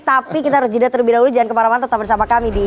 tapi kita harus jeda terlebih dahulu jangan kemana mana tetap bersama kami di